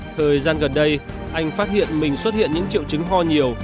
thời gian gần đây anh phát hiện mình xuất hiện những triệu chứng ho nhiều